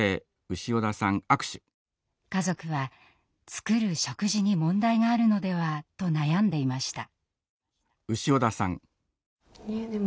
家族は作る食事に問題があるのではと悩んでいました。